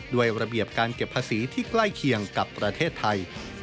ด้วยระเบียบการเก็บภาษีที่ใกล้เคียงกับประเทศไทย